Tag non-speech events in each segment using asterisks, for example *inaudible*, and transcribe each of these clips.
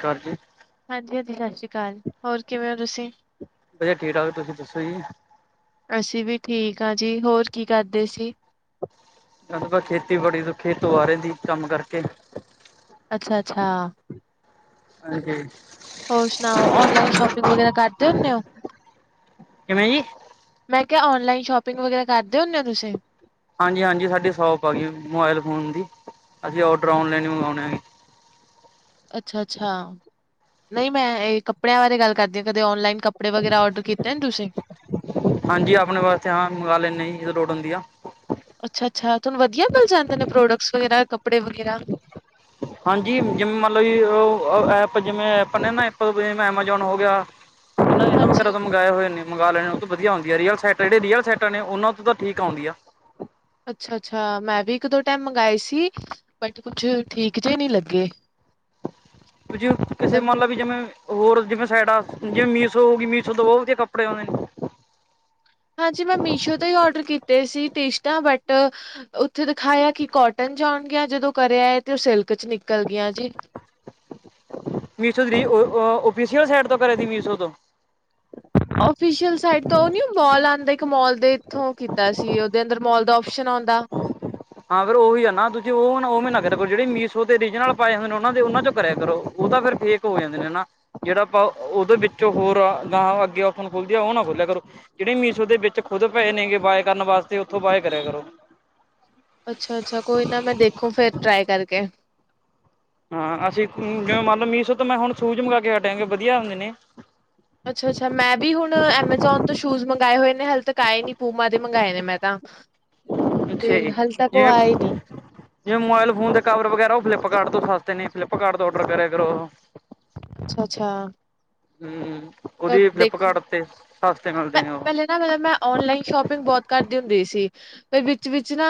ਕਰ ਦੋ। ਹਾਂਜੀ-ਹਾਂਜੀ, ਸਤਿ ਸ਼੍ਰੀ ਅਕਾਲ ਹੋਰ ਕਿਵੇਂ ਹੋ ਤੁਸੀਂ? ਵਧੀਆ, ਠੀਕ-ਠਾਕ, ਤੁਸੀਂ ਦੱਸਿਆ ਨੀ। ਅਸੀਂ ਵੀ ਠੀਕ ਹਾਂ ਜੀ, ਹੋਰ ਕੀ ਕਰਦੇ ਸੀ? ਹਾ ਬਸ, ਖੇਤੀਬਾੜੀ ਤੋਂ, ਖੇਤੋ ਆ ਰਹਿ ਸੀ ਕੰਮ ਕਰਕੇ। ਅੱਛਾ-ਅੱਛਾ। ਹਾਂਜੀ। ਹੋਰ ਸੁਣਾਓ, ਆਨਲਾਈਨ ਸ਼ੋਪਿੰਗ ਵਗ਼ੈਰਾ ਕਰਦੇਂ ਹੁਨੇ ੲੌ। ਕਿਵੇਂ ਜੀ ਮੈਂ ਕਿਹਾਂ ਔਨਲਾਈਨ ਸ਼ੋਪਿੰਗ ਵਗ਼ੈਰਾ ਕਰਦੇਂ ਹੁੰਦੇ ਹੋ ਤੁਸੀਂ। ਹਾਂਜੀ-ਹਾਂਜੀ, ਸ਼ਾਡੀ ਸ਼ੋਪ ਹੈਗੀ ਮੋਬਾਇਲ ਫ਼ੋਨ ਦੀ ਅਸੀਂ ਔਡਰ ਔਨਲਾਈਨ ਮੰਗਵਾਉਣੇ ਹੈਗੇ। ਅੱਛਾ-ਅੱਛਾ, ਨਹੀਂ ਮੈਂ ਇਹ ਕੱਪੜਿਆਂ ਬਾਰੇ ਗੱਲ਼ ਕਰਦੀ ਪਈ ਕਦੇ ਔਨਲਾਈਨ ਕੱਪੜੇ ਵਗ਼ੈਰਾ ਔਡਰ ਕੀਤੇ ਨੇਂ ਤੁਸੀਂ। ਹਾਂਜੀ, ਆਪਣੇਂ ਵਾਸਤੇ ਹਾਂ ਮੰਗਵਾ ਲੈਂਨੇ ਜੀ, ਜਦੋਂ ਲੋੜ ਹੁੰਦੀਂ ਆ। ਅੱਛਾ-ਅੱਛਾ, ਤੁਹਾਂਨੂੰ ਵਧੀਆਂ ਮਿਲ਼ ਜਾਂਦੇਂ ਨੇਂ ਪ੍ਰੋਡਕਸ ਵਗ਼ੈਰਾ, ਕੱਪੜੇ ਵਗ਼ੈਰਾ। ਹਾਂਜੀ, ਜਿਵੇਂ ਮੱਤਲਬ ਜੀ ਉਹ ਐਪ ਜਿਵੇਂ ਐਪ ਨੇਂ ਨਾ ਜਿਵੇਂ ਐਮਾਜ਼ੋਨ ਹੋ ਗਿਆਂ। ਆਨਲਾਈਨ ਐਮਾਜ਼ਾਨ ਹਾਂਜੀ। ਤੋ ਮੰਗਵਾਏ ਹੋਏ ਨੇ। ਮੰਗਵਾ ਲੈਂਣੇ, ਉਹ ਤੋਂ ਵਧੀਆਂ ਆਉਂਦੀ ਹੈਂ। ਰਿਅਲ ਸਾਈਟਾਂ ਵਧੀਆ ਹੁੰਦੀ, ਜਿਹੜੇ ਰੀਅਲ ਸਾਈਟਾਂ ਨੇ ਉਹਨਾਂ ਤੋਂ ਤਾਂ ਠੀਕ ਆਉਂਦੀ ਆ। ਅੱਛਾ-ਅੱਛਾ ਮੈਂ ਵੀ ਇੱਕ-ਦੋ ਟਾਇਮ ਮੰਗਵਾਏ ਸੀਂ, ਬਟ ਕੁੱਛ ਠੀਕ ਜੇ ਨੀਂ ਲੱਗੇਂ। ਫਿਰ *unintelligible* ਕਿਸ਼ੇ ਮੰਨ ਲੋ ਵੀ ਜਿਵੇਂ ਹੋਰ ਜਿਵੇਂ ਸਾਇਡਾ, ਜਿਵੇਂ ਮੀਸੋ ਹੋਗੀ ਮੀਸੋ ਤੋਂ ਬਹੁਤ ਵਧੀਆਂ ਕੱਪੜੇ ਆਉਂਦੇ ਨੇਂ। ਹਾਂਜੀ, ਮੈਂ ਮੀਸ਼ੋ ਤੋਂ ਹੀ ਔਡਰ ਕੀਤੇ ਸੀਂ ਟੀਸ਼ਟਾਂ ਬਟ ਉੱਥੇ ਦਿਖਾਇਆਂ ਕਿ ਕੋਟਨ ਚ ਆਉਣਗੀਆਂ, ਜਦੋਂ ਘਰੇਂ ਆਏਂ ਤੇ ਉਹ ਸਿਲਕ ਚ ਨਿਕਲ਼ ਗੀਆਂ ਜੀ। ਮੀਸ਼ੋ ਦੀ ਆਫੀਸ਼ੀਅਲ ਸੈਂਇਡ ਤੋਂ ਕਰੇਂ ਸੀਂ ਮੀਸ਼ੋ ਤੋਂ। ਆਫੀਸ਼ੀਅਲ ਸਾਈਟ ਤੋਂ ਉਹ ਨੀਂ ਮੋਲ ਆਉਂਦਾਂ, ਇੱਕ ਮੋਲ ਦੇ ਇੱਥੋਂ ਕੀਤਾਂ ਸੀਂ ਉਹਦੇ ਅੰਦਰ ਮੋਲ ਦਾ ਆਪਸ਼ਨ ਆਉਂਦਾਂ। ਹਾਂ, ਫ਼ਿਰ ਉਹੀ ਆ ਨਾ ਦੂਜੇ ਉ ਉਵੇਂ ਨਾ ਕਰਿਆਂ ਕਰੋ, ਜਿਹੜੇ ਮੀਸ਼ੋ ਦੇ ਔਰਜਨਲ ਪਾਏਂ ਹਨ, ਉਹਨਾਂ ਦੇ ਉਨਾਂ ਚੋਂ ਕਰਿਆਂ ਕਰੋਂ। ਉਹ ਤਾਂ ਫ਼ਿਰ ਫੇਕ ਹੋ ਜਾਂਦੇ ਨੇ ਨਾ। ਜਿਹੜਾਂ ਆਪਾਂ ਉਹਦੇ ਬਿਚੋਂ ਹੋਰ, ਗਾਂਅ ਅੱਗੇ ਓਪਨ ਖੋਲਦੀ ਉਹ ਨਾ ਖੋਲ੍ਹਿਆ ਕਰੋ। ਜਿਹੜੇ ਮੀਸ਼ੋ ਦੇ ਵਿੱਚ ਖੁਦ ਪਏ ਨੇਂ ਗੇ ਬਾਏ ਕਰਨ ਵਾਸਤੇ, ਉੱਥੋਂ ਬਾਏ ਕਰਿਆ ਕਰੋ। ਅੱਛਾ, ਅੱਛਾ ਕੋਈ ਨਾ ਮੈਂ ਦੇਖੂੰ ਫ਼ਿਰ ਟ੍ਰਾਏ ਕਰਕੇ। ਹਾਂ ਅਸੀਂ ਜਿਵੇਂ ਮੰਨ ਲਓ ਮੀਸੋ ਤੋਂ ਮੈਂ ਹੁਣ ਸੂਜ ਮੰਗਾਂ ਕੇ ਹੱਟਿਆ ਗਾ ਵਧੀਆਂ ਹੁੰਦੇ ਨੇਂ। ਅੱਛਾ, ਅੱਛਾ ਮੈਂ ਵੀ ਹੁਣ ਐਮਾਜ਼ੋਨ ਤੋਂ ਸ਼ੂਜ ਮੰਗਾਂਏ ਹੋਏ ਨੇ। ਹਲੇ ਤੱਕ ਆਏਂ ਨੀਂ‌, ਕੂਮਾ ਦੇ ਮੰਗਾਏ ਦੇ ਮੈਂ ਤਾਂ। ਤੇ ਹਲੇੇ ਤੱਕ ਉਹ ਆਏਂ ਨੀਂ। ਜਿਵੇ ਮੋਬਾਈਲ ਫੋਨ ਦੇ ਕਵਰ ਵਗ਼ੈਰਾ ਉਹ ਫਲਿਪਕਾਰਟ ਕਾਰਟ ਤੋਂ ਸਸਤੇ ਨੇ। ਫਲਿਪਕਾਰਟ ਤੋਂ ਔਡਰ ਕਰਿਆਂ ਕਰੋ। ਅੱਛਾ, ਅੱਛਾ। ਹਮ, ਉਹਦੀ ਫਲਿੱਪਕਾਰਟ ਉਤੇ ਸਸਤੇ ਮੈਂ ਮਿਲ਼ਦੇ ਨੇ ਉਹ। ਪਹਿਲੇ ਮਤਲਬ ਮੈਂ ਨਾ ਔਨਲਾਈਨ ਸ਼ੋਪਿੰਗ ਬਹੁਤ ਕਰਦੀ ਹੁੰਦੀਂ ਸੀ। ਫਿਰ ਵਿੱਚ, ਵਿੱਚ ਨਾ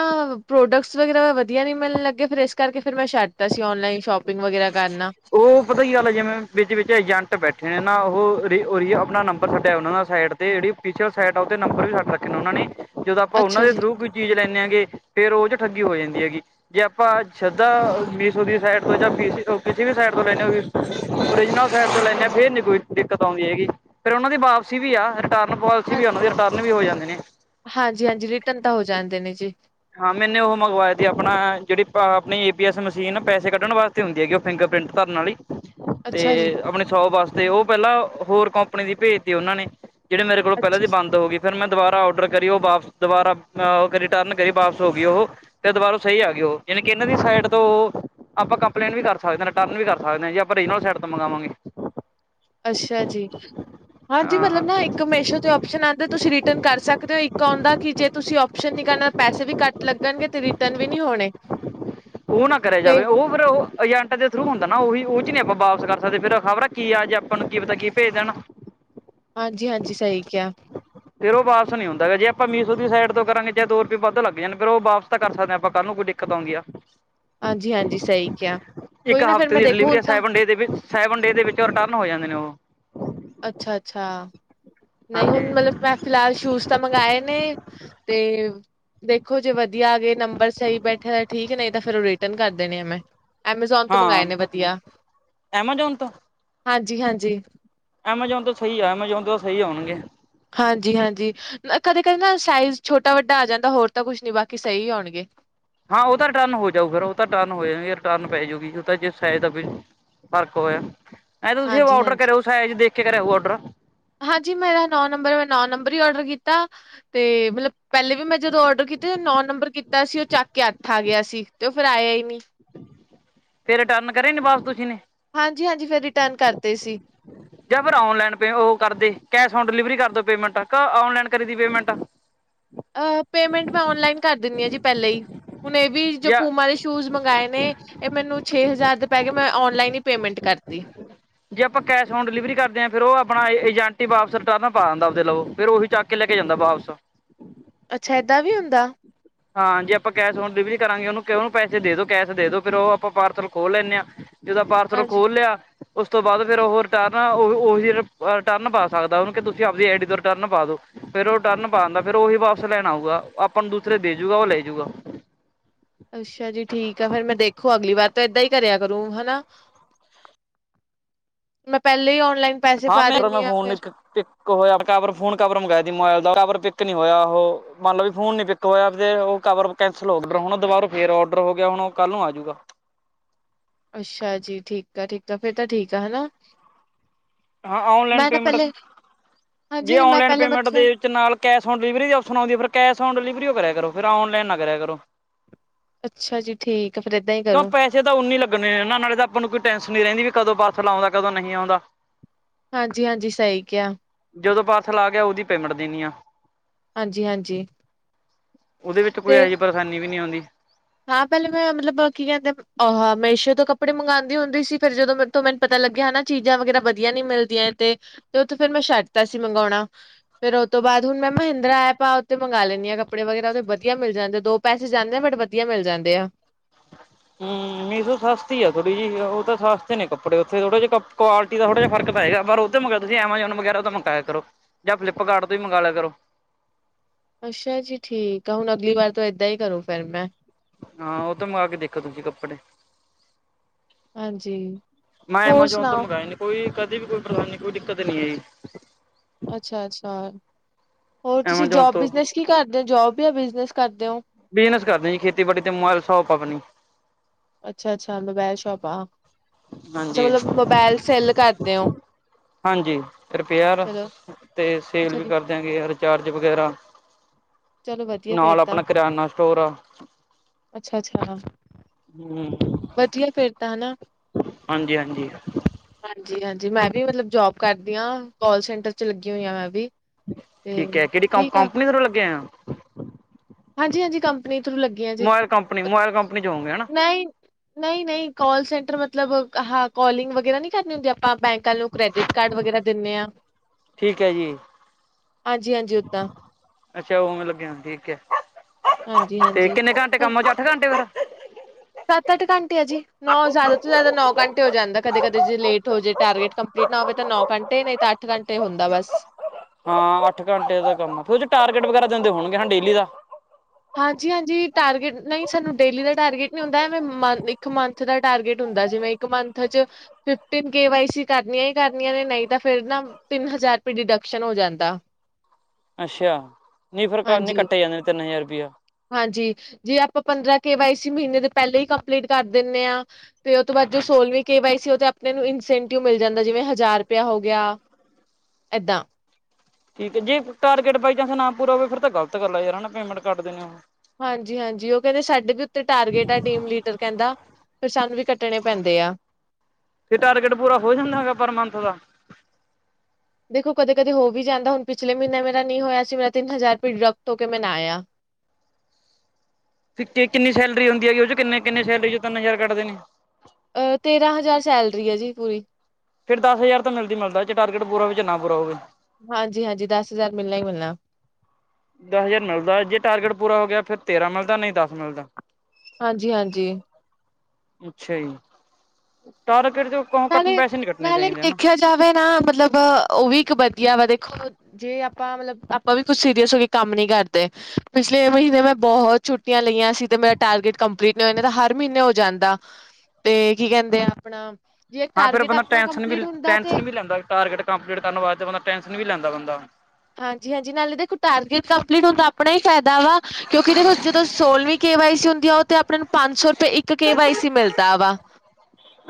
ਪ੍ਰੋਡਕਟਸ ਵਗ਼ੈਰਾ ਵਧੀਆਂ ਨੀਂ ਮਿਲ਼ਣ ਲੱਗੇਂ। ਫ਼ਿਰ ਇਸ ਕਰਕੇ ਫ਼ਿਰ ਮੈਂ ਛੱਡਤਾ ਸੀ ਆਨਲਾਈਨ ਸ਼ੋਪਿੰਗ। ਸ਼ਪਿੰਗ ਵਗ਼ੈਰਾ ਕਰਨਾਂ। ਉਹ ਪਤਾਂ ਕੀ ਗੱਲ਼ ਹੈਂ ਜਿਵੇਂ ਵਿੱਚ -ਵਿੱਚ ਏਜੰਟ ਬੈਠੇਂ ਨੇਂ ਨਾ ਉਹ ਉਰ ਉਹਨਾਂ ਆਪਣਾਂ ਨੰਬਰ ਛੱਡਿਆਂ ਉਹਨਾਂ ਦਾ ਸਾਈਡ। ਤੇ ਜਿਹੜੀ ਪੀਛਲ ਸਾਈਟ ਆ ਨੰਬਰ ਉਤੇ ਨੰਬਰ ਵੀ ਰੱਖ ਰੱਖੇਂ ਨੇਂ ਉਹਨਾਂ ਨੇਂ, ਜਦੋਂ ਆਪਾਂ ਉਹਨਾਂ ਅੱਛਾ ਦੇ ਜੀ। ਥਰੂ ਕੋਈ ਚੀਜ਼ ਲੈਂਨੇ ਹੈਗੇ, ਫ਼ਿਰ ਉਹ ਚ ਠੱਗੀ ਹੋ ਜਾਂਦੀ ਹੈਗੀ। ਜੇ ਆਪਾਂ ਛੱਦਾ, ਮੀਸੋ ਦੀ ਸਾਈਡ ਤੋਂ ਜਾਂ ਕਿਸੇ ਵੀ ਸਾਈਡ ਤੋਂ ਲੈਂਨੇ ਓ, ਓਰਿਜਨਲ ਸਾਈਡ ਤੋਂ ਲੈਨੇਂ ਆ ਫ਼ਿਰ ਨੀ ਕੋਈ ਦਿੱਕਤ ਆਉਂਦੀ ਹੈਗੀ। ਫ਼ਿਰ ਉਹਨਾਂ ਦੀ ਵਾਪਸੀ ਵੀ ਆ, ਰਿਟਰਨ ਪੋਲਿਸੀ ਵੀ ਆ ਉਹਨਾਂ ਦੇ, ਰਿਟਰਨ ਵੀ ਹੋ ਜਾਂਦੇ ਨੇ। ਹਾਂਜੀ, ਹਾਂਜੀ ਰਿਟਨ ਤਾਂ ਹੋ ਜਾਂਦੇਂ ਨੇ ਜੀ। ਹਾਂ ਮੈਨੂੰ ਉਹ ਮੰਗਵਾਏ ਦੀ ਆਪਣਾਂ, ਜਿਹੜੀ ਆਪਣੀ ਈ ਪੀ ਐਸ ਮਸ਼ੀਨ, ਪੈਸੇ ਕੱਢਣ ਵਾਸਤੇ। ਉਥੇ ਹੁੰਦੀ ਹੈਗੀ ਏ, ਉਹ ਫਿੰਗਰ ਪ੍ਰਿੰਟ ਭਰਨ ਵਾਲ਼ੀ। ਤੇ ਅੱਛਾ ਜੀ। ਆਪਣੀ ਸੌਂਪ ਵਾਸਤੇ‌। ਉਹ ਪਹਿਲ਼ਾਂ ਹੋਰ ਕੰਪਨੀ ਦੀ ਭੇਜਤੀ ਉਹਨਾਂ ਨੇ। ਜਿਹੜੇ ਮੇਰੇ ਕੋਲ਼ ਪਹਿਲਾਂ ਅੱਛਾ ਸੀ ਜੀ, ਬੰਦ ਹੋਗੀ। ਫ਼ਿਰ ਮੈਂ ਦੁਬਾਰਾ ਔਡਰ ਕਰੀ, ਉਹ ਵਾਪਸ ਦੁਬਾਰਾ ਰਿਟਰਨ ਕਰੀ ਵਾਪਸ ਹੋਗੀ ਉਹ, ਫ਼ਿਰ ਦੁਬਾਰਾ ਸਹੀ ਆ ਗਈ ਉਹ, ਯਣੀ ਕਿ ਇਹਨਾਂ ਦੀ ਸਾਈਡ ਤੋਂ ਉਹ ਆਪਾਂ ਕੰਪਲੇਂਟ ਵੀ ਕਰ ਸਕਦੇ ਹਾਂ। ਰਿਟਰਨ ਵੀ ਕਰ ਸਕਦੇ ਹਾਂ। ਜੇ ਆਪਾਂ ਰਿਜਨਲ ਸੈਡ ਤੋਂ ਮੰਗਵਾਵਾਂਗੇ। ਅੱਛਾ ਜੀ। ਹਾਂਜੀ, ਮੱਤਲਬ ਹਾਂ ਨਾ ਇੱਕ ਮੀਸ਼ੋ ਤੇ ਓਪਸ਼ਨ ਆਂਦਾ ਤੁਸੀਂ ਰੀਟਰਨ ਕਰ ਸਕਦੇ ਹੋ, ਇੱਕ ਆਉਂਦਾ ਕਿ ਜੇ ਤੁਸੀਂ ਓਪਸ਼ਨ ਨੀਂ ਕਰਨਾਂ ਪੈਸੇ ਵੀ ਘੱਟ ਲੱਗਣਗੇ ਤੇ ਰਿਟਰਨ ਵੀ ਨੀਂ ਹੋਣੇ, ਤੇ ਫ਼ਿਰ ਉਹ ਏਜੰਟ ਦੇ ਥਰੂ ਹੁੰਦਾਂ ਨਾ ਉਹੀ ਉਹ ਚ ਨੀਂ ਆਪਾਂ ਵਾਪਸ ਕਰ ਸਕਦੇ, ਫ਼ਿਰ ਖਬਰੇ ਕੀ ਆ ਜਾਣ, ਆਪਾਂ ਨੂੰ ਕੀ ਪਤਾਂ ਕੀ ਭੇਜ ਦੇਣ। ਹਾਂਜੀ, ਹਾਂਜੀ ਸਹੀ ਕਿਹਾ। ਫੇਰ ਉਹ ਵਾਪਸ ਨੀ ਹੁੰਦਾ ਹੈਗਾ, ਜੇ ਆਪਾਂ ਮੀਸੋ ਦੀ ਸਾਈਡ ਤੋਂ ਕਰਾਂਗੇ ਜਾਂ ਵੱਧ ਲੱਗ ਜਾਣ, ਫਿਰ ਉਹ ਵਾਪਸ ਤਾਂ ਕਰ ਸਕਦੇ ਆਪਾਂ ਜੇ ਕਲ ਨੂੰ ਕੋਈ ਦਿੱਕਤ ਆਉਂਦੀ ਆ। ਹਾਂਜੀ-ਹਾਂਜੀ ਸਹੀ ਕਿਹਾ। ਇੱਕ ਕੋਈ ਨਾ ਫੇਰ ਹਫ਼ਤੇ ਮੈਂ ਦੀ ਦੇਖੋ ਡਿਲੀਵਰੀ ਹੁਣ ਹੈ ਤਾਂ ਸੈਵਨ ਡੇ ਦੇ ਵਿੱਚ ਸੈਵਨ ਡੇ ਦੇ ਵਿੱਚ ਉਹ ਰਿਟਰਨ ਹੋ ਜਾਂਦੇ ਨੇ ਉਹ। ਅੱਛਾ, ਅੱਛਾ ਨਹੀਂ ਹੁਣ ਮਤਲਬ ਹਾਂਜੀ। ਮੈਂ ਫਿਲਾਹਾਲ ਸ਼ੂਜ ਤਾਂ ਮੰਗ ਆਏ ਨੇ ਤੇ ਦੇਖੋ ਜੇ ਵਧੀਆ ਆ ਗਏ, ਨੰਬਰ ਸਹੀ ਬੈਠਾ ਤਾਂ ਠੀਕ, ਨਹੀਂ ਤਾਂ ਫੇਰ ਰਿ ਟਰਨ ਕਰ ਦੇਣੇ ਐ ਮੈਂ, ਐਮਾਜ਼ੋਨ ਤੋਂ ਮੰਗਾਏ ਹਾਂ ਨੇ ਵਧੀਆ। ਐਮਾਜੋਨ ਤੋਂ ਹਾਂਜੀ, ਹਾਂਜੀ। ਐਮਾਜੋਨ ਤੋਂ ਸਹੀ ਆ, ਐਮਾਜੋਨ ਤੋਂ ਤਾਂ ਸਹੀ ਉਣਗੇ। ਹਾਂਜੀ, ਹਾਂਜੀ ਨਾ ਕਦੇ - ਕਦੇ ਨਾ ਸਾਈਜ਼ ਛੋਟਾ ਵੱਡਾ ਆ ਜਾਂਦਾ, ਹੋਰ ਤਾਂ ਕੁਛ ਨਹੀਂ ਬਾਕੀ ਸਹੀ ਆਉਣਗੇ। ਹਾਂ ਉਹ ਤਾਂ ਰਿਟਰਨ ਹੋ ਜਾਊ, ਫਿਰ ਰਿਟਰਨ ਹੋਜੇਗੀ, ਰਿਟਰਨ ਪੈ ਜਾਊਗੀ ਤਾਂ ਜਿਸ ਫਰਕ ਹੋਏ ਨਹੀਂ ਤਾਂ ਤੁਸੀਂ ਹਾਂਜੀ ਔਡਰ ਹਾਂਜੀ ਕਰਿਓ, ਸੈਜ ਦੇਖ ਕੇ ਕਰਿਓ ਹ ਔਡਰ। ਹਾਂਜੀ, ਮੇਰਾ ਨੌ ਨੰਬਰ, ਮੈਂ ਨੌ ਨੰਬਰ ਹੀ ਔਡਰ ਕੀਤਾ ਤੇ ਮਲਬ ਪਹਿਲੇ ਵੀ ਮੈਂ ਜਦੋਂ ਔਡਰ ਕੀਤਾ ਨੌ ਨੰਬਰ ਕੀਤਾ ਸੀ, ਉਹ ਚੱਕ ਕੇ ਅੱਠ ਆ ਗਿਆ ਸੀ ਤੇ ਉਹ ਫਿਰ ਆਇਆ ਨੀ। ਫੇਰ ਰਿਟਰਨ ਕਰੇ ਨੇ ਵਾਪਸ ਕੂਛ ਨੀ। ਹਾਂਜੀ-ਹਾਂਜੀ ਫੇਰ ਰਿਟਰਨ ਕਰਤੇ ਸੀ। ਜਾਂ ਫੇਰ ਔਨਲਾਈਨ ਪੇ ਉ ਕਰਦੇ ਕੈਸ਼ ਓਨ ਡਿਲੀਵਰੀ ਕਰ ਦੋ ਪੇਮੈਂਟ ਕੇ ਔਨਲਾਈਨ ਕਰੀ ਦੀ ਪੇਮੈਂਟ। ਅ ਪੇਮੈਂਟ ਮੈਂ ਓਨਲਾਈਨ ਕਰ ਦਿੰਦੀ ਆਂ ਜੀ ਪੈਲਾਂ ਈ ਹੁਨ ਏ ਵੀ ਜੋ ਜਾਂ ਪੂਮਾ ਦੇ ਸ਼ੂਜ ਮੰਗਵਾਏ ਨੇ ਏ ਮੈਨੂੰ ਛੇ ਹਜ਼ਾਰ ਦੇ ਪੈਗੇ ਮੈਂ ਔਨਲਾਈਨ ਈ ਪੇਮੈਂਟ ਕਰ ਜੇ ਆਪਾਂ ਕੈਸ਼ ਓਨ ਡਿਲੀਵਰੀ ਕਰਦੇ ਆਂ ਫੇਰ ਉ ਆਪਨਾ ਏਜੰਟ ਈ ਵਾਪਸ ਰਿਟਰਨਾ ਪਾ ਦਿੰਦਾ ਲਵੋ ਫੇਰ ਉਹੀ ਚੱਕ ਅਗੇ ਲੇਕੇ ਜਾਂਦਾ ਵਾਪਸ, ਅੱਛਾ ਏਦਾਂ ਵੀ ਹੁੰਦਾ। ਹਾਂ ਜੇ ਆਪਾਂ ਕੈਸ਼ ਓਨ ਡਿਲੀਵਰੀ ਕਰਾਂਗੇ ਉਹਨੂੰ ਪੈਸੇ ਦੇ ਦੋ ਕੈਸ਼ ਦੇ ਦੋ ਫੇਰ ਉਹ ਆਪਾਂ ਪਾਰਸਲ ਖੋਲ ਲੈਂਦੇ ਹਾਂ, ਜਿੱਦੋ ਪਾਰਸਲ ਹਾਂਜੀ ਖੋਲ ਲਿਆ। ਉਸ ਤੋਂ ਬਾਅਦ ਫੇਰ ਉਹ ਰਿਟਰਨ ਉਹੀ ਰਿਟਰਨ ਪਾ ਸਕਦਾ ਉਹਨੂੰ ਕਿ ਤੁਸੀਂ ਆਪਦੀ ਐਡੀ ਤੋਂ ਰਿਟਰਨ ਪਾ ਦੋ। ਫੇਰ ਉਹ ਰਿਟਰਨ ਪਾ ਦਿੰਦਾ ਫੇਰ ਉਹੀ ਵਾਪਸ ਲੈਣਾ ਆਊਗਾ ਆਪਾਂ ਦੂਸਰੇ ਦੇਜੂਗਾ ਉਹ ਲੈਜੂਗਾ। ਅੱਛਾ ਜੀ ਠੀਕ ਆ ਫੇਰ ਮੈਂ ਦੇਖੋ ਅਗਲੀ ਵਾਰ ਤਾਂ ਏਦਾਂ ਹੀ ਕਰਿਆ ਕਰੂੰ ਹਨਾ, ਮੈਂ ਪਹਿਲੇ ਈ ੳਨਲਾਈਨ, ਹਾਂ ਮੇਰਾ ਮੈਂ ਫੋਨ ਇੱਕ, ਇੱਕ ਹੋਇਆ ਕਵਰ ਫੋਨ ਕਵਰ ਮੰਗਵਾਇਆ ਸੀ ਮੋਬਾਇਲ ਦਾ ਕਾਵਰ ਪਿਕ ਨਹੀਂ ਹੋਇਆ ਉਹ, ਮੰਨ ਲਓ ਵੀ ਫੋਨ ਨੀ ਪਿਕ ਹੋਇਆ ਉਹ ਕਵਰ ਕੈਂਸਲ ਹੋਊ ਹੁਣ ਦੁਬਾਰਾ ਫੇਰ ਔਡਰ ਹੋ ਗਿਆ ਹੁਣ ਉਹ ਕੱਲ ਨੂੰ ਆਜੂਗਾ, ਅੱਛਾ ਜੀ, ਠੀਕ ਆ ਠੀਕ ਆ ਫੇਰ ਤਾਂ ਠੀਕ ਆ ਹਨਾ। ਹਾਂ ਔਨਲਾਈਨ ਮੈਂ ਨਾ ਪੇਮੈਂਟ ਪਹਿਲੇ ਜੇ ਹਾਂਜੀ ਮੈਂ ਔਨਲਾਈਨ ਪਹਿਲੇ ਪੇਮੈਂਟ ਦੇ ਮਤਲਬ ਵਿੱਚ ਨਾਲ, ਕੈਸ਼ ਅੋਨ ਡਿਲੀਵਰੀ ਦੀ ਆਪਸ਼ਨ ਆਂਦੀ ਫੇਰ ਕੈਸ਼ ਔਨ ਡਲੀਵਰੀ ਉਹ ਕਰਿਆ ਕਰੋ ਫਿਰ ਔਨਲਾਈ ਨਾ ਕਰਿਆ ਕਰੋ। ਅੱਛਾ ਜੀ ਠੀਕ ਆ ਫੇਰ ਏਦਾਂ ਹੀ ਕਰੁ। ਸੇ ਤਾਂ ਉਨੀ ਲੱਗਣੇ ਨੇ ਇਹਨਾਂ ਨਾਲੇ ਤਾਂ ਆਪਾਂ ਨੂੰ ਕੋਈ ਟੈਂਸ਼ਨ ਨੀ ਰਹਿੰਦੀ ਵੀ ਕਦੋਂ ਪਾਰਸਲ ਆਉੰਦਾ ਕਦੋਂ ਨਹੀਂ ਆਉਂਦਾ। ਹਾਂਜੀ - ਹਾਂਜੀ ਸਹੀ ਕਿਹਾ। ਜਦੋਂ ਪਾਰਸਲ ਆ ਗਿਆ ਉਹਦੀ ਪੇਮੈਂਟ ਦੇਣੀ ਆ। ਹਾਂਜੀ ਹਾਂਜੀ ਉਹਦੇ ਵਿੱਚ ਕੋਈ ਇਹੋ ਤੇ ਜਿਹੀ ਪਰੇਸ਼ਾਨੀ ਵੀ ਨਹੀਂ ਆਉਂਦੀ। ਹਾਂ ਪਹਿਲੇ ਮੈਂ ਮਤਲਬ ਕੀ ਕਹਿੰਦੇ। ਆਹੋ ਮੇਸ਼ੋ ਤੋਂ ਕੱਪੜੇ ਮੰਗਵਾਉਂਦੀ ਹੁੰਦੀ ਸੀ ਫਿਰ ਜਦੋਂ ਮੈਨੂੰ ਪਤਾ ਲੱਗਿਆ ਹਨਾ ਚੀਜ਼ਾਂ ਵਗੈਰਾ ਵਧੀਆ ਨੀ ਮਿਲਦੀਆਂ ਤੇ। ਤੇ ਉਹਥੋ ਫੇਰ ਮੈਂ ਛੱਡਤਾ ਸੀ ਮੰਗਵਾਉਣਾ। ਫੇਰ ਉਹ ਤੋਂ ਬਾਅਦ ਹੁਣ ਮੈਂ ਮਹਿੰਦਰਾ ਐਪ ਆ ਉੱਥੋ ਮੰਗਵਾ ਲੈਂਦੀ ਹਾਂ ਕੱਪੜੇ ਵਗੈਰਾ ੳਹ ਦੇ ਵਧੀਆ ਮਿਲ ਜਾਂਦੇ ਦੋ ਪੈਸੇ ਜਾਂਦੇ ਆ, ਵਧੀਆ ਮਿਲ ਜਾਂਦੇ ਆ। ਹਮ, ਮਿਸ਼ੋ ਸਸਤੀ ਆ ਥਿੜ੍ਹੀ ਜਹੀ ਉਹ ਤਾਂ ਸਸਤੇ ਨੇ ਕੱਪੜੇ ਉੱਥੇ ਥੋੜ੍ਹਾ ਕੁਆਲਟੀ ਦਾ ਥੋ੍ੜਾ ਜਿਹਾ ਫਰਕ ਹੈਗਾ, ਮੰਗਇਓ ਤੁਸੀਂ ਐਮਾਜ਼ੋਨ ਵਗੈਰਾ ਤੋਂ ਮੰਗਵਾਇਆ ਕਰੋ ਜਾਂ ਫਲਿੱਪਕਾਰਟ ਤੋਂ ਹੀ ਮੰਗਵਾ ਲਿਆ ਕਰੋ। ਅੱਛਾ ਜੀ ਠੀਕ ਆ ਹੁਣ ਅਗਲੀ ਵਾਰ ਤੋਂ ਏਦਾਂ ਹੀ ਕਰੋ ਫੇਰ ਮੈਂ। ਹਾਂ ੳਥੋ ਮੰਗਵਾ ਕੇ ਦੇਖੋ ਤੁਸੀਂ ਕੱਪੜੇ, ਹਾਂਜੀ ਮੈਂ ਹੋਰ ਐਮਾਜੋਨ ਤੋ ਸੁਣਾਓ ਮੰਗਾਏ ਨੇ, ਕੋਈ ਕਦੇ ਵੀ ਕੋਈ ਪਰੇਸ਼ਾਨੀ ਕੋਈ ਦਿੱਕਤ ਨਹੀ ਆਈ, ਅੱਛਾ ਅੱਛਾ ਹੋਰ ਤੁਸੀਂ, ਐਮਾਜੋਨ ਜੋਬ ਤੋਂ ਬਿਜਨਸ ਕੀ ਕਰਦੇ ਹੋ ਜੋਬ ਜਾਂ ਬਿਜਨਸ ਕਰਦੇ ਹੋ, ਬਿਜਨਸ ਕਰਦੇ ਜੀ ਖੇਤੀਬਾੜੀ ਤੇ ਮੋਲ ਸੋਪ ਆਪਣੀ, ਅੱਛਾ ਅੱਛਾ ਮੋਬਾਇਲ ਸ਼ੋਪ ਆ ਅੱਛਾ ਹਾਂਜੀ। ਮਤਲਬ ਮੋਬਾਇਲ ਸੈਲ ਕਰਦੇ ਹੋ, ਹਾਂਜੀ ਰਿਪੇਅਰ ਚਲੋ ਤੇ ਸੇਲ ਅੱਛਾ ਵੀ ਜੀ ਕਰ, ਰਿਚਾਰਜ ਵਗੈਰਾ ਚਲੋ ਵਧੀਆ ਫੇਰ ਨਾਲ ਆਪਣਾ ਕਰਿਆਨਾ ਸਟੋਰ, ਆ ਅੱਛਾ ਅੱਛਾ, ਹਮ, ਵਧੀਆ ਫੇਰ ਤਾ ਹਨਾ, ਹਾਂਜੀ-ਹਾਂਜੀ। ਹਾਂਜੀ-ਹਾਂਜੀ। ਮੈਂ ਵੀ ਮਤਲਬ ਜੋਬ ਕਰਦੀ ਹਾਂ, ਕੋਲ ਸੈਂਟਰ ਚ ਲੱਗੀ ਹੋਈ ਹਾਂ ਮੈਂ ਵੀ। ਤੇ ਠੀਕ ਐ‌। ਕਿਹੜੀ ਕੰ ਠੀਕ ਆ ਕੰਪਨੀ ਵੱਲੋਂ ਲੱਗੇ ਆ? ਹਾਂਜੀ ਹਾਂਜੀ ਕੰਪਨੀ ਥਰੂ ਲੱਗੀਆਂ ਜੀ। ਮੋਬਾਇਲ ਕੰਪਨੀ ਮੋਬਾਇਲ ਕੰਪਨੀ ਚ ਹੋਗੇ ਹਨਾ। ਮੈਂ ਈ ਨਹੀਂ-ਨਹੀਂ। ਕਾਲ ਸੈਂਟਰ ਮਤਲਬ ਆਹਾਂ ਕੋਾਲਿੰਗ ਵਗੈਰਾ ਨਹੀਂ ਕਰਨੀ ਹੁੰਦੀ ਆਪਾਂ ਬੈਂਕ ਨੂੰ ਕ੍ਰੇਡਿਟ ਕਾਰਡ ਵਗੈਰਾ ਦਿੰਦੇ ਆ। ਠੀਕ ਹੈ ਜੀ। ਹਾਂਜੀ-ਹਾਂਜੀ ਓਦਾਂ ਅੱਛਾ ਉਵੇਂ ਲੱਗੇ ਹੋਏ ਓ। ਠੀਕ ਏ ਤੇ ਹਾਂਜੀ-ਹਾਂਜੀ ਕਿੰਨੇ ਘੰਟੇ ਕੰਮ ਆ ਚ ਅੱਠ ਘੰਟੇ ਫੇਰ ਸੱਤ-ਅੱਠ ਘੰਟੇ ਐ ਜੀ‌। ਨੌ ਜ਼ਿਆਦਾ ਤੋਂ ਜ਼ਿਆਦਾ ਨੌ ਘੰਟੇ ਹੋ ਜਾਂਦਾ ਕਦੇ-ਕਦੇ। ਜੇ ਲੇਟ ਹੋ ਜਾਵੇ, ਟਾਰਗੇਟ ਕੰਪਲੀਟ ਨਾ ਹੋਵੇ ਤਾਂ ਨੌ ਘੰਟੇ ਨਹੀਂ ਤਾਂ ਅੱ ਅੱਠ ਘੰਟੇ ਹੁੰਦਾ ਬਸ। ਹਾਂ ਅੱਠ ਘੰਟੇ ਦਾ ਕੰਮ। ਫੇਰ ਉਹ ਚ ਟਾਰਗੇਟ ਵਗੈਰਾ ਦਿੰਦੇ ਹੋਣਗੇ ਡੇਲੀ ਦਾ ਹਾਂਜੀ-ਹਾਂਜੀ। ਟਾਰਗੇਟ ਨਹੀਂ, ਸਾਨੂੰ ਡੇਲੀ ਦਾ ਟਾਰਗੇਟ ਨਹੀਂ ਹੁੰਦਾ ਮੰ ਐਵੇ ਇੱਕ ਮੰਥ ਦਾ ਟਾਰਗੇਟ ਹੁੰਦੈ ਜਿਵੇਂ ਇੱਕ ਮੰਥ ਚ ਫਿਫਟੀਨ ਕੇ ਵਾਈ ਸੀ ਕਰਨੀਆਂ ਹੀ ਕਰਨੀਆਂ ਨੇ ਨਹੀਂ ਤਾਂ ਫੇਿਰ ਨਾ ਤਿੰਨ ਹਜ਼ਾਰ ਰੁਪਏ ਡਿਡਕਸ਼ਨ ਹੋ ਜਾਂਦਾ। ਅੱਛਾ। ਨਹੀਂ ਫਿਰ ਨ ਕੱਟੇ ਜਾਂਦੇ ਨੇ ਤਿੰਨ ਹਜ਼ਾਰ ਰੁਪਇਆ। ਹਾਂਜੀ। ਜੇ ਆਪਾਂ ਪੰਦਰਾਂ ਕੇ ਵਾਈ ਸੀ ਮਹੀਨੇ ਦੇ ਪਹਿਲੇਾਂ ਹੀ ਕੰਪਲੀਟ ਕਰ ਦਿੰਨੇ ਆ ਤੇ ਉਹ ਤੋਂ ਬਾਅਦ ਜੋ ਸੋਲਵੀਂ ਕੇ ਵਾਈ ਸੀ, ਉਹ ਤੇ ਆਪਣੇ ਨੂੰ ਇਨਸੇਟਿਵ ਮਿਲ ਜਾਂਦਾ। ਜਿਵੇਂ ਹਜ਼ਾਰ ਰੁਪੇਆ ਹੋ ਗਿਆ। ਏਦਾ ਠੀਕ ਐ। ਜੇ ਟਾਰਗੇਟ ਬਾਈ ਚਾਂਸ ਨਾ ਪੂਰਾ ਹੋਵੇ ਫਿਰ ਤਾਂ ਗਲਤ ਗੱਲ ਹੈ ਯਾਰ ਨਾ ਪੇਮੈਂਟ ਕੱਟ ਦੇ ਨੇ ਓਹੋ। ਹਾਂਜੀ-ਹਾਂਜੀ। ਉਹ ਕਹਿੰਦੇ ਸਾਡੇ ਵੀ ਉੱਤੇ ਟਾਰਗੇਟ ਆ ਟੀਮ ਲੀਡਰ ਕਹਿੰਦਾ ਫੇਰ ਸਾਨੂੰ ਵੀ ਕੱਟਣੇ ਪੈਂਦੇ ਆ। ਫੇਰ ਟਾਰਗੇਟ ਪੂਰਾ ਹੋ ਜਾਂਦਾ ਹੈਗਾ ਪਰ ਮੰਥ ਦਾ? ਦੇਖੋ ਕਦੇ-ਕਦੇ ਹੋ ਵੀ ਜਾਂਦਾ। ਹੁਣ ਪਿਛਲੇ ਮਹੀਨਾ ਮੇਰਾ ਨਈ ਹੋਇਆ ਸੀ, ਮੇਰਾ ਤਿੰਨ ਹਜ਼ਾਰ ਰੁਪਏ ਡਿਡਕਟ ਹੋ ਕੇ ਮੈਂ ਨਾ ਆਇਆ। ਫ ਕਿੰਨੀ ਸੈਲਰੀ ਹੁੰਦੀ ਐ ਗੀਤ, ਉਹ ਚ ਕਿੰਨ ਕਿੰਨੇ ਸੈਲਰੀ ਚ ਤਿੰਨ ਹਜ਼ਾਰ ਕੱਟਦੇ ਨੇ? ਅ ਤੇਰਾਂ ਹਜ਼ਾਰ ਸੈਲਰੀ ਹੈ ਜੀ ਪੂਰੀ। ਫੇਰ ਦਸ ਹਜ਼ਾਰ ਤਾਂ ਮਿਲਦੀ ਮਿਲਦਾ। ਚਾਹੇ ਟਾਰਗੇਟ ਪੂਰਾ ਹੋਵੇ ਚਾਹੇ ਨਾ ਪੂਰਾ ਹੋਵੇ। ਹਾਂਜੀ-ਹਾਂਜੀ। ਦਸ ਹਜ਼ਾਰ ਮਿਲਣਾ ਹੀ ਮਿਲਣਾ। ਦਸ ਹਜ਼ਾਰ ਮਿਲਦਾ। ਜੇ ਟਾਰਗੇਟ ਪੂਰਾ ਹੋ ਗਿਆ ਫਿਰ ਤੇਰਾਂ ਮਿਲਦਾ ਨਹੀਂ ਦਸ ਮਿਲਦਾ। ਹਾਂਜੀ-ਹਾਂਜੀ‌। ਅੱਛਿਆ ਜੀ। ਟਾਰਗੇਟ ਚੋ ਕੱਟ ਨਾਲੇ ਪੈਸੇ ਨਹੀਂ ਕੱਟਣੇ ਨਾਲੇ ਚਾਹੀਦੇ ਹਨਾ। ਦੇਖਿਆ ਜਾਵੇ ਨਾ ਮਤਲਬ ਉਹ ਵੀ ਇੱਕ ਵਧੀਆ ਵਾ ਦੇਖੋ ਜੇ ਆਪਾਂ ਮਤਲਬ ਆਪਾਂ ਵੀ ਕੁਛ ਸੀਰੀਅਸ ਹੋ ਕੇ ਕੰਮ ਨੀ ਕਰਦੇ ਪਿਛਲੇ ਮਹੀਨੇ ਮੈਂ ਬਹੁਤ ਛੁੱਟੀਆਂ ਲਈਆਂ ਸੀ ਤੇ ਮੇਰਾ, ਟਾਰਗੇਟ ਕੰਪਲੀਟ ਨਹੀਂ ਹੋਇਆ, ਨਹੀਂ ਤੇ ਹਰ ਮਹੀਨੇ ਹੋ ਜਾਂਦਾ। ਤੇ ਕੀ ਕਹਿੰਦੇ ਆ ਆਪਣਾ ਜੇ ਹਾਂ ਫਿਰ ਟਾਰਗੇਟ ਬੰਦਾ ਆਪਣਾ ਟੈਸਨ ਵੀ ਕੰਪਲੀਟ ਹੁੰਦਾ ਤੇ ਟੈਨਸ਼ਨ ਵੀ ਲੈਂਦਾ ਟਾਰਗੇਟ ਕੰਪਲੀਟ ਕਰਨ ਵਾਸਤੇ ਬੰਦਾ ਟੈਨਸ਼ਨ ਵੀ ਲੈਂਦਾ ਬੰਦਾ। ਹਾਂਜੀ-ਹਾਂਜੀ। ਨਾਲੇ ਦੇਖੋ ਟਾਰਗੇਟ ਕੰਪਲੀਟ ਹੁੰਦਾ ਆਪਣਾ ਹੀ ਫਾਇਦਾ ਵਾ ਕਿਉਂਕਿ ਦੇਖੋ ਜਦੋਂ ਸੋਲਵੀਂ ਕੇ ਵਾਈ ਸੀ ਹੁੰਦੀ ਆ। ਉਹ ਤੇ ਆਪਣੇ ਨੂੰ ਪੰਜ ਸੌ ਤੇ ਇੱਕ ਕੇ ਵਾਈ ਸੀ ਮਿਲਦਾ ਵਾ‌।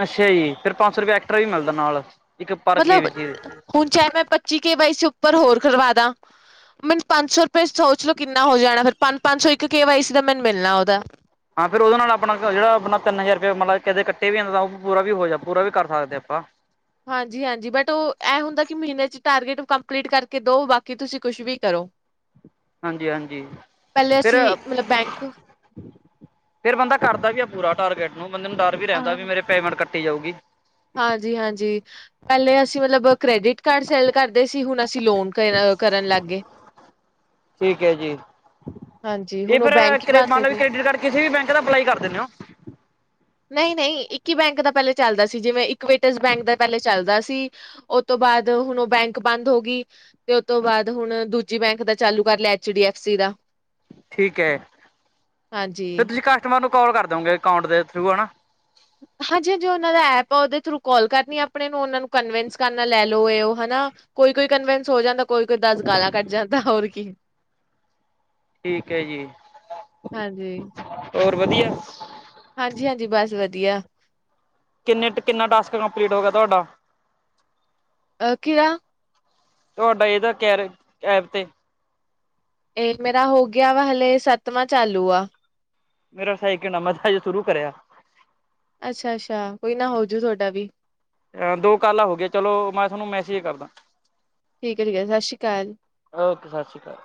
ਅੱਛਾ ਜੀ। ਫੇਰ ਪੰਜ ਸੌ ਰੁਪਏ ਐਕਟਰਾ ਵੀ ਮਿਲਦਾ ਨਾਲ। ਇੱਕ ਪਰ ਕੇ ਮਤਲਬ ਵੀ ਸੀ। ਹੁਣ ਚਾਹੇ ਮੈਂ ਪੱਚੀ ਕੇ ਵਾਈ ਸੀ ਉੱਪਰ ਹੋਰ ਕਰਵਾ ਦਾ ਮੈਨੂੰ ਪੰਜ ਸੌ ਰੁਪਏ ਸੋਚ ਲੋ ਕਿੰਨਾ ਹੋ ਜਾਣਾ? ਫਿਰ ਪੰਜ- ਪੰਜ ਸੌ ਇੱਕ ਕੇ ਵਾਈ ਸੀ ਦਾ ਮੈਨੂੰ ਮਿਲਣਾ ਉਹਦਾ। ਹਾਂ ਫਿਰ ਉਹਦੇ ਨਾਲ ਆਪਣਾ ਜਿਹੜਾ ਆਪਣਾ ਤਿਨ ਹਜਾਰ ਮਤਲਬ ਕਦੇ ਕੱਟੇ ਵੀ ਜਾਂਦੇ ਐ, ਕਦੇ ਵੀ ਪੂਰਾ ਵੀ ਹੋ ਪੂਰਾ ਵੀ ਕਰ ਸਕਦੇ ਆ ਆਪਾਂ। ਹਾਂਜੀ-ਹਾਂਜੀ ਬਟ ਉਹ ਇਹ ਹੁੰਦਾ ਕਿ ਮਹੀਨੇ ਚ ਟਾਰਗੇਟ ਕੰਪਲੀਟ ਕਰਕੇ ਦਓ ਬਾਕੀ ਤੁਸੀਂ ਕੁਛ ਵੀ ਕਰੋ? *inaudible* ਹਾਂਜੀ ਹਾਂਜੀ, ਪਹਿਲੇ ਫਿਰ ਅਸੀਂ ਮਤਲਬ ਬੈਂਕ ਫੇਿਰ ਬੰਦਾ ਕਰਦਾ ਵੀ ਆ ਪੂਰਾ ਟਾਰਗੇਟ ਨੂੰ, ਬੰਦੇ ਨੂੰ ਡਰ ਵੀ ਰਹਿੰਦਾ, ਵੀ ਮੇਰੇ ਪੇਮੈਂਟ ਕੱਟੀ ਜਾਊਗੀ। ਹਾਂਜੀ ਹਾਂਜੀ, ਪਹਿਲੇ ਅਸੀਂ ਮਤਲਬ ਕ੍ਰੈਡਿਟ ਕਾਰਡ ਸੈਲ ਕਰਦੇ ਸੀ, ਹੁਣ ਅਸੀਂ ਲੋਨ ਕਰਨ ਲੱਗ ਗਏ। ਠੀਕ ਹੈ ਜੀ ਹਾਂਜੀ, ਇਹ ਹੁਣ ਉਹ ਬੈਂਕ ਹੀ ਫਿਰ ਬੰਦ ਮੰਨ ਹੋ ਲਓ ਵੀ ਗਈ। ਕ੍ਰੈਡਿਟ ਕਾਰਡ ਕਿਸੇ ਵੀ ਬੈਂਕ ਦਾ ਅਪਲਾਈ ਕਰ ਦਿੰਨੇ ਹੋ? ਨਹੀਂ ਨਹੀਂ, ਇੱਕ ਹੀ ਬੈਂਕ ਦਾ ਪਹਿਲੇ ਚੱਲਦਾ ਸੀ, ਜਿਵੇਂ ਇਕ ਵੇਟਸ ਬੈਂਕ ਦਾ ਪਹਿਲੇ ਚੱਲਦਾ ਸੀ। ਉਹ ਤੋਂ ਬਾਅਦ, ਹੁਣ ਉਹ ਬੈਂਕ ਬੰਦ ਹੋ ਗਈ। ਤੇ ਉਹਤ ਤੋਂ ਬਾਅਦ, ਹੁਣ ਦੂਜੀ ਬੈਂਕ ਦਾ ਚਾਲੂ ਕਰ ਲਿਆ, ਐਚ ਡੀ ਐਫ ਸੀ ਦਾ। ਠੀਕ ਹੈ, ਫਿਰ ਹਾਂਜੀ। ਤੁਸੀਂ ਕਟ ਵਧ ਕਾਲ ਕਰਦੋ ਓਗੇ, ਅਕਾਊਂਟ ਦੇ ਥਰੂ, ਹੈਨਾ। ਹਾਂਜੀ-ਹਾਂਜੀ ਉਹਨਾਂ ਦਾ ਐਪ ਆ, ਉਹਦੇ ਥਰੂ ਕਾਲ ਕਰਨੀ ਆਪਣੇ ਨੂੰ, ਉਹਨਾਂ ਨੂੰ ਕਨਵਿੰਸ ਕਰਨਾ, ਲੈ ਲੋਓ ਇਹ ਉਹ, ਹਨਾ, ਕੋਈ ਕੋਈ ਕਨਵਿੰਸ ਹੋ ਜਾਂਦਾ, ਕੋਈ-ਕੋਈ ਦਸ ਗਾਲਾਂ ਕੱਢ ਜਾਂਦਾ, ਹੋਰ ਕੀ ਠੀਕ ਹੈ ਜੀ, ਹਾਂਜੀ। ਹੋਰ ਵਧੀਆ? ਹਾਂਜੀ ਹਾਂਜੀ, ਬਸ ਵਧੀਆ। ਕਿੰਨੇ ਕਿੰਨਾ, ਟਾਸਕ ਕੰਪਲੀਟ ਹੋ ਗਿਆ ਤੁਹਾਡਾ? ਅਹ, ਕਿਰਾ? ਤੁਹਾਡਾ ਇਹਦਾ ਕਹਿ ਰੇ, ਐਪ ਤੇ ਇਹ ਮੇਰਾ ਹੋ ਗਿਆ ਵਾ ਹਲੇ, ਸੱਤਵਾਂ ਚਾਲੂ ਆ ਮੇਰਾ ਸੈਕਿਡ ਹੈ, ਮਸਾਂ ਅਜੇ ਸ਼ੁਰੂ ਕਰਿਆ ਅੱਛਾ ਅੱਛਾ, ਕੋਈ ਨਾ ਹੋਜਊ ਤੁਹਾਡਾ ਵੀ ਅ ਦੋ ਕਾਲਾ ਹੋ ਗਿਆ, ਚਲੋ ਮੈਂ ਤੁਹਾਨੂੰ ਮੈਸੇਜ ਕਰਦਾ। ਠੀਕ ਐ ਠੀਕ ਐ, ਸਤਿ ਸ਼੍ਰੀ ਅਕਾਲ। ਓਕੇ, ਸਤਿ ਸ਼੍ਰੀ ਅਕਾਲ।